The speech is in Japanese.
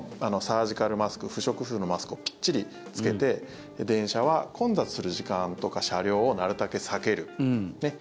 サージカルマスク不織布のマスクをぴっちり着けて電車は混雑する時間とか車両をなるたけ避ける。